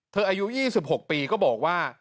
อายุ๒๖ปีก็บอกว่า